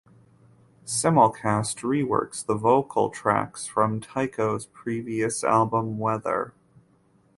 Simulcast reworks the vocal tracks from Tycho’s previous album "Weather".